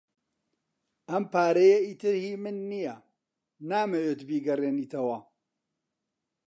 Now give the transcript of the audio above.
ئەم پارەیە ئیتر هی من نییە. نامەوێت بیگەڕێنیتەوە.